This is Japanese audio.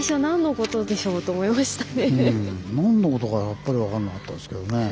何のことかさっぱり分かんなかったですけどね。